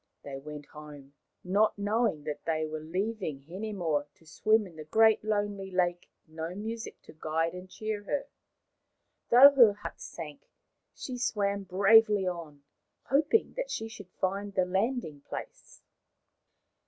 They went home, not knowing that they were leaving Hinemoa to swim in the great lonely lake with no music to guide and cheer her. Though her heart sank, she swam bravely on, hoping that she should find the landing place.